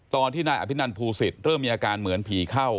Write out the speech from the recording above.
ตอนที่นายอภินันภูศิษย์เริ่มมีอาการเหมือนผีเข้า